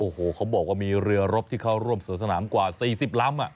โอ้โหเขาบอกว่ามีเรือรบที่เข้าร่วมสวนสนามกว่า๔๐ลำ